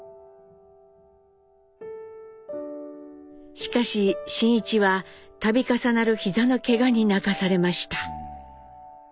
しかし真一は度重なる膝のけがに泣かされました。